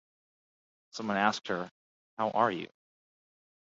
Someone asked her: How are you?